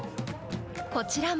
こちらも。